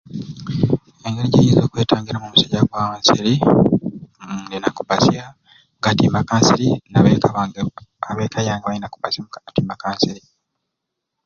Engeri gyenyiza okwetangiramu omusujja gwa nsiri uhm nina kubasya mu katimba kansiri n'abeka yange balina kubasya mu katimba ka nsiri.